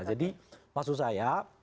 jadi maksud saya